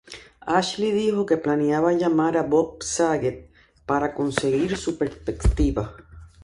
Ashley dijo que planeaba llamar a Bob Saget, para "conseguir su perspectiva".